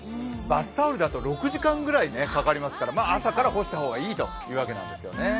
バスタオルだと６時間ぐらいかかりますから朝から干した方がいいというわけなんですよね。